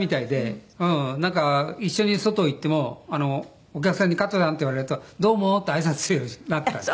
なんか一緒に外へ行ってもお客さんに「加トちゃん」って言われると「どうもー！」ってあいさつするようになったんです。